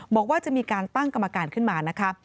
บอกว่าจะมีการตั้งกรรมการขึ้นมานะคะ